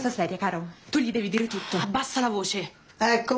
はい。